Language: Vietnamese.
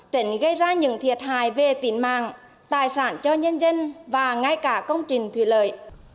tránh gây ra những thiệt hại về tính mạng tài sản cho nhân dân và ngay cả công trình thủy lợi